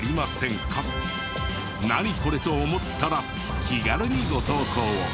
「ナニコレ？」と思ったら気軽にご投稿を。